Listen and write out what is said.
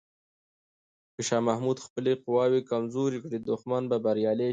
که شاه محمود خپلې قواوې کمزوري کړي، دښمن به بریالی شي.